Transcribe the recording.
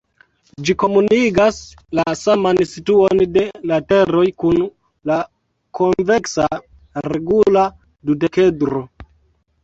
Ĝi komunigas la saman situon de lateroj kun la konveksa regula dudekedro.